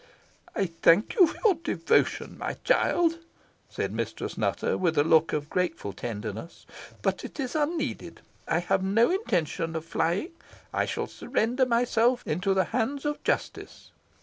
"I thank you for your devotion, my child," said Mistress Nutter, with a look of grateful tenderness; "but it is unneeded. I have no intention of flying. I shall surrender myself into the hands of justice."